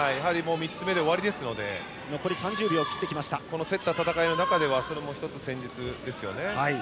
３つ目で終わりですので競った戦いの中ではそれも１つ戦術ですよね。